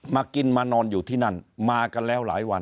มากินมานอนอยู่ที่นั่นมากันแล้วหลายวัน